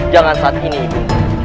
jangan saat ini ibu